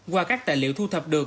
qua các tài liệu thu thập được